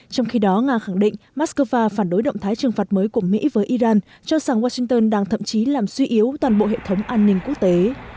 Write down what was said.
trong khi đó nga khẳng định moscow phản đối động thái trừng phạt mới của mỹ với iran cho rằng washington đang thậm chí làm suy yếu toàn bộ hệ thống an ninh quốc tế